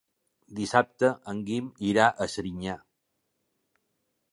Dissabte en Guim irà a Serinyà.